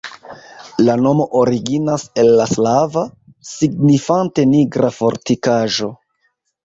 La nomo originas el la slava, signifante nigra fortikaĵo.